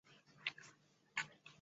足球大决战！